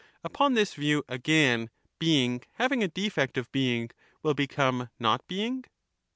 Upon this view, again, being, having a defect of being, will become not being